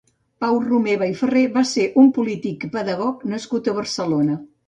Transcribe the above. Pau Romeva i Ferrer va ser un polític i pedagog nascut a Barcelona.